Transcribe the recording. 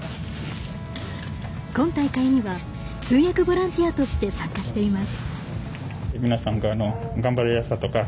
今大会には通訳ボランティアとして参加しています。